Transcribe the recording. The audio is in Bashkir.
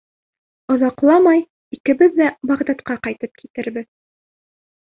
Оҙаҡламай икебеҙ ҙә Бағдадҡа ҡайтып китербеҙ.